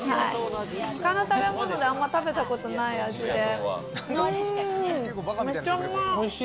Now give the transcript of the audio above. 他の食べ物で、あんま食べたことない味で、めっちゃうまい。